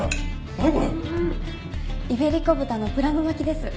イベリコ豚のプラム巻きです。